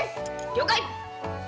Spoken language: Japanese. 了解！